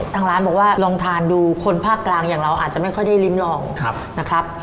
ทางร้านบอกว่าลองทานดูคนภาคกลางอย่างเราอาจจะไม่ค่อยได้ลิ้มลองนะครับ